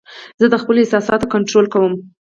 زه د خپلو احساساتو کنټرول کوم.